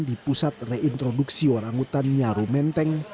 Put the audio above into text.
di pusat reintroduksi orang hutan nyaru menteng